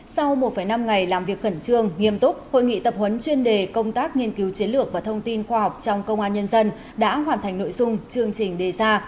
sau một năm ngày làm việc khẩn trương nghiêm túc hội nghị tập huấn chuyên đề công tác nghiên cứu chiến lược và thông tin khoa học trong công an nhân dân đã hoàn thành nội dung chương trình đề ra